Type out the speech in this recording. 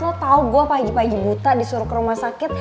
lo tau gue pagi pagi buta disuruh ke rumah sakit